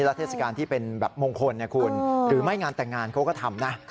รัฐเทศกาลที่มงคลหรือไม่งานแต่งงานเขาก็ทำนะ